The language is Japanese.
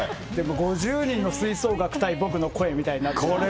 ５０人の吹奏楽対僕の声みたいになっちゃって。